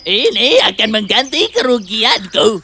ini akan mengganti kerugianku